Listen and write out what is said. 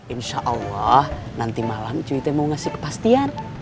insya allah nanti malam cuy teh mau ngasih kepastian